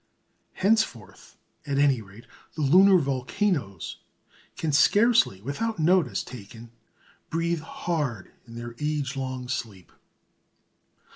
Henceforth, at any rate, the lunar volcanoes can scarcely, without notice taken, breathe hard in their age long sleep.